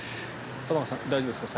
玉川さん、大丈夫ですか。